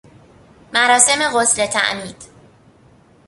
مراسم غسل تعمید